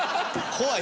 怖い！